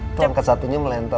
itu angkat satunya melentat